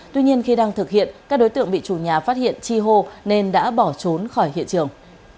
tuy nhiên khi đang thực hiện các đối tượng bị chủ nhà phát hiện chi hô nên đã bỏ trốn khỏi hiện trường